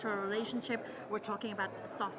kami berbicara tentang kekuatan yang lembut